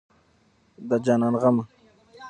د جانان غمه